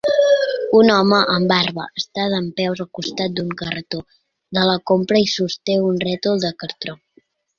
Un home amb barba està dempeus al costat d'un carretó de la compra i sosté un rètol de cartró.